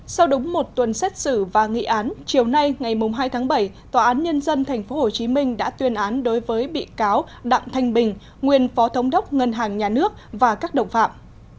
sau đúng một tuần xét xử và nghị án chiều nay ngày hai tháng bảy tòa án nhân dân tp hcm đã tuyên án đối với bị cáo đặng thanh bình nguyên phó thống đốc ngân hàng nhà nước và các đồng phạm